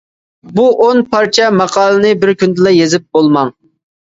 بۇ ئون پارچە ماقالىنى بىر كۈندىلا يېزىپ بولماڭ.